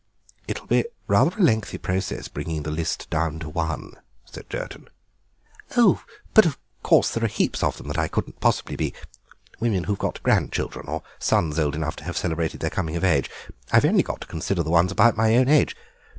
"It'll be rather a lengthy process bringing the list down to one," said Jerton. "Oh, but, of course, there are heaps of them that I couldn't possibly be—women who've got grandchildren or sons old enough to have celebrated their coming of age. I've only got to consider the ones about my own age.